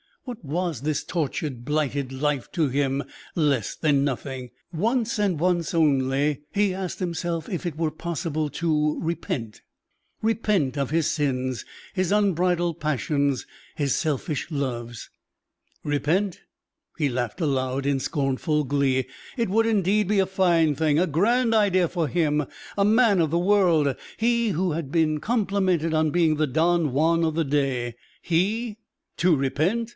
What was this tortured, blighted life to him? Less than nothing. Once, and once only, he asked himself if it were possible to repent repent of his sins, his unbridled passions, his selfish loves? Repent? He laughed aloud in scornful glee. It would, indeed, be a fine thing, a grand idea for him, a man of the world; he who had been complimented on being the Don Juan of the day. He to repent?